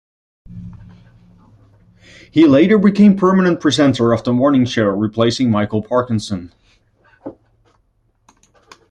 He later became permanent presenter of the morning show, replacing Michael Parkinson.